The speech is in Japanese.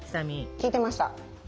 聞いてました。